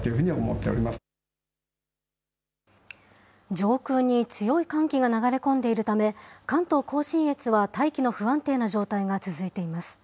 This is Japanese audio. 上空に強い寒気が流れ込んでいるため、関東甲信越は大気の不安定な状態が続いています。